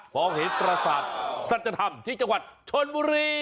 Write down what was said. มองเห็นประสาทสัจธรรมที่จังหวัดชนบุรี